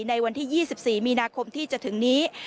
ในวันที่๒๔มีนาคมที่จะถึงนี้